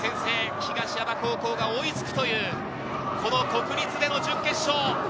東山高校が追いつくという国立での準決勝。